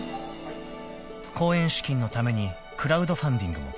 ［公演資金のためにクラウドファンディングも活用］